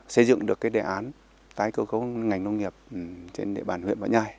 xây dựng được cái đề án tái cơ cấu ngành nông nghiệp trên địa bàn huyện võ nhai